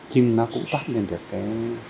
nhưng nó cũng toát lên được cái